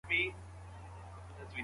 علمي سیمینار په خپلسري ډول نه ویشل کیږي.